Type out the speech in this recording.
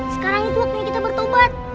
sekarang itu waktu yang kita bertobat